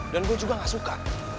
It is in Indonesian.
dan gue juga gak suka